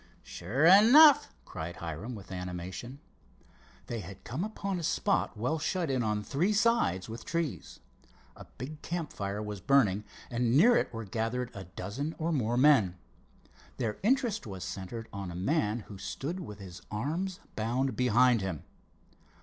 "Sure enough!" cried Hiram with animation. They had come upon a spot well shut in on three sides with trees. A big campfire was burning, and near it were gathered a dozen or more men. Their interest was centered on a man who stood with his arms bound behind him.